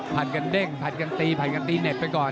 ผ่านกันเด้งผ่านกันตีผ่านกันตีเน็ตไปก่อน